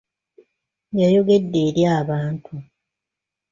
Yayogedde eri abantu.